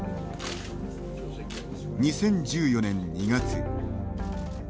２０１４年２月。